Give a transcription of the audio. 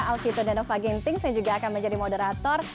alfito nenovagintings yang juga akan menjadi moderator